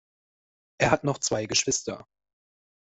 Er hat noch zwei Geschwister.